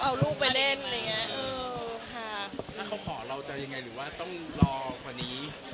หากเขาขอเราจะยังไงหรือว่าต้องรอพวกี้